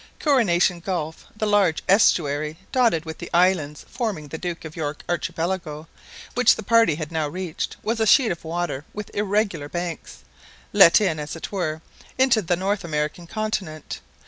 Coronation Gulf, the large estuary dotted with the islands forming the Duke of York Archipelago, which the party had now reached, was a sheet of water with irregular banks, let in, as it were, into the North American continent.